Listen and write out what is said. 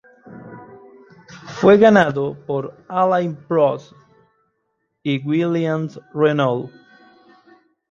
Fue ganado por Alain Prost y Williams-Renault.